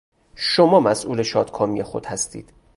شما مسئول شادکامی خود هستید